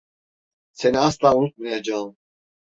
Seni asla unutmayacağım.